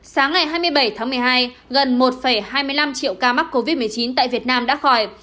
sáng ngày hai mươi bảy tháng một mươi hai gần một hai mươi năm triệu ca mắc covid một mươi chín tại việt nam đã khỏi